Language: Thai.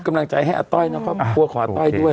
กำลังใจให้อัตต้อยเนอะเขากลัวขออัตต้อยด้วย